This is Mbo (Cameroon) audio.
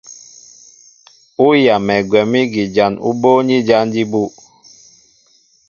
Ú yamɛ gwɛ̌m ígi jǎn ú bóóní jǎn jí bū.